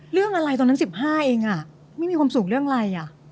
เรื่องอะไรตอนนั้น๑๕เองไม่มีความสุขเรื่องอะไร